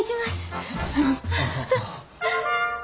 ありがとうございます。